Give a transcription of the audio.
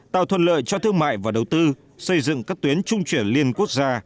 tạo thuận lợi cho thương mại và đầu tư xây dựng các tuyến trung chuyển liên quốc gia